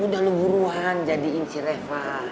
udah lu buruan jadiin si reva